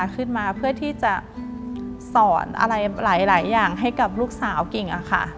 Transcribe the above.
เพื่อที่จะสอนอะไรหลายอย่างให้กับลูกสาวกิ่งอะค่ะ